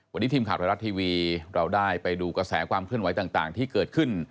วันนี้ทีมข่าวไทยรัฐทีวีเราได้ไปดูกระแสความเคลื่อนไหวต่างที่เกิดขึ้น